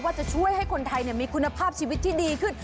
จะช่วยให้คนไทยมีคุณภาพชีวิตที่ดีขึ้น